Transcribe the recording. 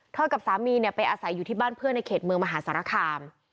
กับสามีไปอาศัยอยู่ที่บ้านเพื่อนในเขตเมืองมหาสารคาม